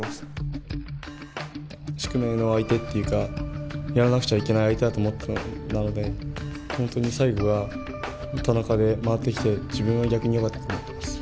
宿命の相手っていうかやらなくちゃいけない相手だと思っていたのでなので本当に最後は田中で回ってきて自分は逆によかったと思っています。